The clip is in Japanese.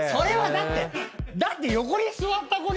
だって。